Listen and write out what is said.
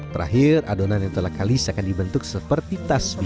terakhir adonan yang telah kalis akan dibentuk seperti taswi